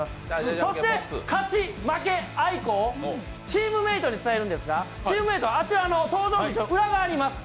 そして勝ち、負け、あいこをチームメートに伝えるんですがチームメートはあちらの登場口の裏側にいます。